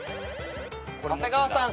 長谷川さん